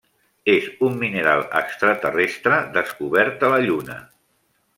És un mineral extraterrestre descobert a la Lluna.